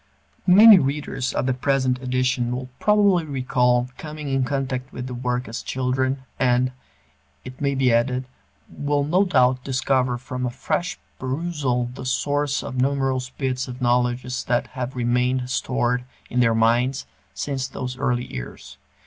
Many readers of the present edition will probably recall coming in contact with the work as children, and, it may be added, will no doubt discover from a fresh perusal the source of numerous bits of knowledge that have remained stored in their minds since those early years.